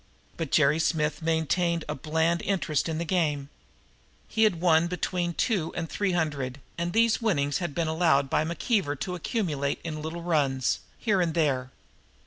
But Jerry Smith maintained a bland interest in the game. He had won between two and three hundred, and these winnings had been allowed by McKeever to accumulate in little runs, here and there.